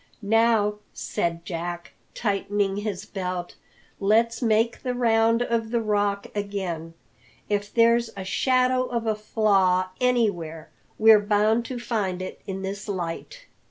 "Now," said Jack, tightening his belt, "let's make the round of the Rock again. If there's a shadow of a flaw anywhere we're bound to find it in this light."